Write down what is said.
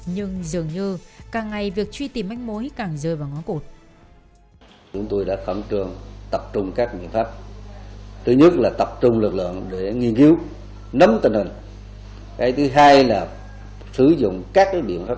nhưng dường như càng ngày việc truy tìm ánh mối càng rơi vào ngó cụt